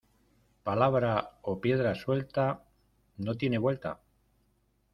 Palabra o piedra suelta, no tiene vuelta.